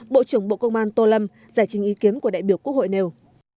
bộ trưởng bộ công an tô lâm giải trình ý kiến của đại biểu quốc hội nêu